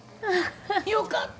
よかった！